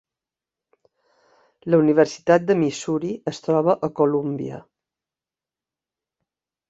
La Universitat de Missouri es troba a Columbia.